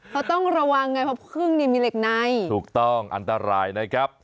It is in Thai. เขาต้องระวังไงเพราะพึ่งนี่มีเหล็กในถูกต้องอันตรายนะครับ